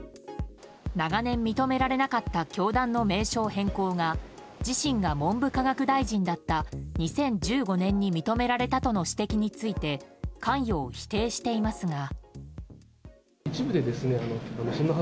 長年認められなかった教団の名称変更が自身が文部科学大臣だった２０１５年に認められたとの指摘について関与を否定していますが。